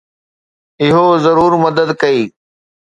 اهو ضرور مدد ڪئي.